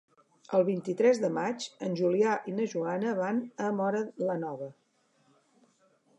El vint-i-tres de maig en Julià i na Joana van a Móra la Nova.